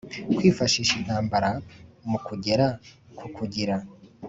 kwifashisha intambara mu kugera ku kugira